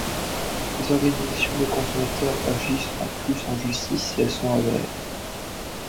Les organisations de consommateurs agissent en plus en justice si elles sont agréées.